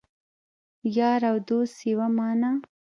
یار او دوست یوه معنی